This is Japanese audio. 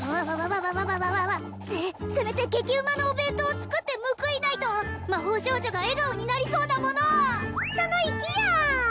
あわわわわわせせめて激うまのお弁当を作って報いないと魔法少女が笑顔になりそうなものをその意気や！